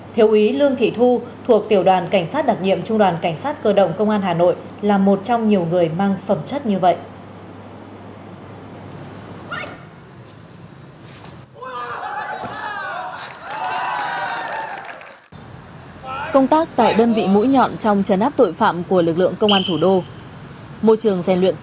thiếu ý lương thị thu thuộc tiểu đoàn cảnh sát đặc nhiệm trung đoàn cảnh sát cơ động công an hà nội là một trong nhiều người mang phẩm chất như vậy